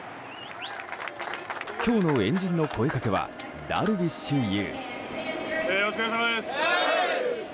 今日の円陣の声かけはダルビッシュ有。